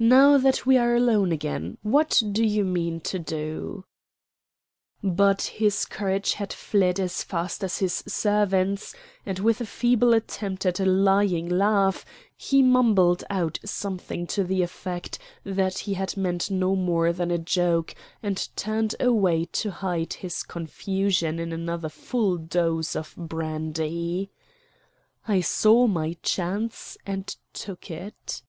"Now that we are alone again, what do you mean to do?" But his courage had fled as fast as his servants, and with a feeble attempt at a lying laugh he mumbled out something to the effect that he had meant no more than a joke, and turned away to hide his confusion in another full dose of brandy. I saw my chance and took it.